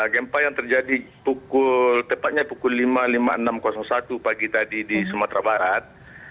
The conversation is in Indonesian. gempa yang terjadi tepatnya pukul lima lima puluh enam satu pagi tadi di sumatera barat